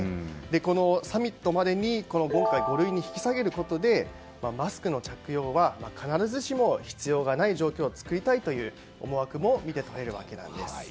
このサミットまでに今回、五類に引き下げることでマスクの着用は必ずしも必要がない状況を作りたいという思惑も見て取れるわけなんです。